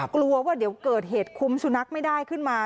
กลัวว่าเดี๋ยวเกิดเหตุคุ้มสุนัขไม่ได้ขึ้นมา